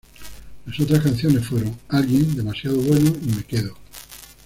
Las otras canciones fueron "Alguien", "Demasiado Bueno" y "Me Quedo".